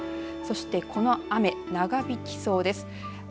そしてこの雨長引きそうです。